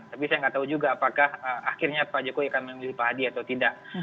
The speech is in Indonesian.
tapi saya nggak tahu juga apakah akhirnya pak jokowi akan memilih pak hadi atau tidak